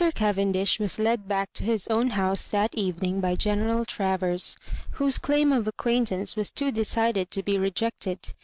Cavendish was led back to his own house that evening by General Travers, whose claim of acquaintance was too decided to be rejected.